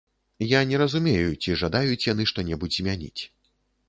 Я не разумею, ці жадаюць яны што-небудзь змяніць.